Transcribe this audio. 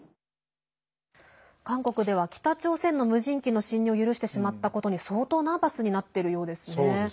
韓国では北朝鮮の無人機の侵入を許してしまったことに相当、ナーバスになってるようですね。